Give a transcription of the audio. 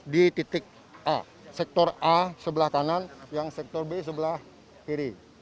di titik a sektor a sebelah kanan yang sektor b sebelah kiri